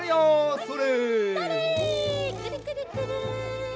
それ！